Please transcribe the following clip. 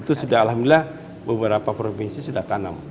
itu sudah alhamdulillah beberapa provinsi sudah tanam